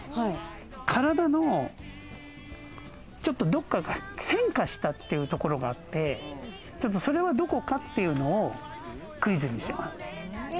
体のちょっとどこかが変化したっていうところがあって、それはどこかっていうのをクイズにします。